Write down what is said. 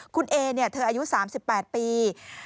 คุณเอเธออายุ๓๘ปี